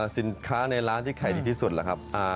สินค้าในร้านที่ขายดีหญิงนะครับ